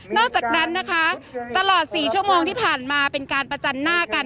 อกจากนั้นนะคะตลอด๔ชั่วโมงที่ผ่านมาเป็นการประจันหน้ากัน